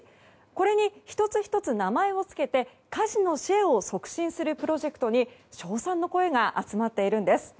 これに１つ１つ名前を付けて家事のシェアを促進するプロジェクトに称賛の声が集まっているんです。